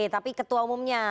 tapi ketua umumnya